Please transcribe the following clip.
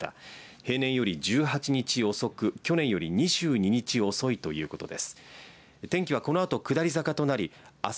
平年より１８日遅く、去年より２２日遅いということです。